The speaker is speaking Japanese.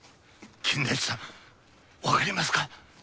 金田一さんわかりますか？